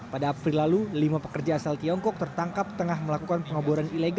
pada april lalu lima pekerja asal tiongkok tertangkap tengah melakukan pengeboran ilegal